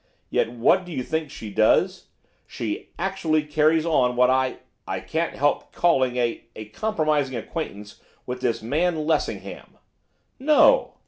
Yet what do you think she does? She she actually carries on what I I can't help calling a a compromising acquaintance with this man Lessingham!' 'No!